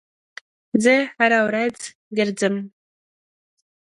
زه هر ورځ ګرځم